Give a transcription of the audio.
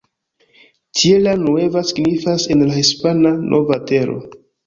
Tierra Nueva signifas en la hispana "Nova Tero".